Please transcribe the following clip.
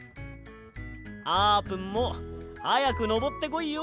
あーぷんもはやくのぼってこいよ！